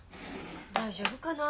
大丈夫かな？